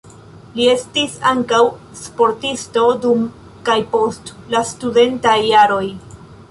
Li estis ankaŭ sportisto dum kaj post la studentaj jaroj.